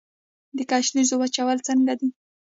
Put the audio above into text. د ګشنیزو وچول څنګه دي؟